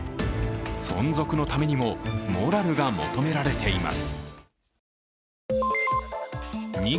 存続のためにも、モラルが求められています。